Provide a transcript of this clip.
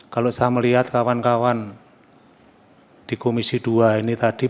kalau saya melihat kawan kawan di komisi dua ini tadi